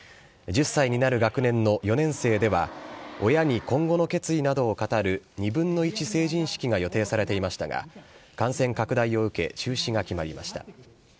１０歳になる学年の４年生では、親に今後の決意などを語る２分の１成人式が予定されていましたが、感染拡大を受け、中止が決まりました。